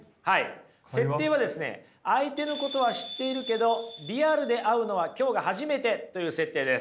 設定は相手のことは知っているけどリアルで会うのは今日が初めてという設定です。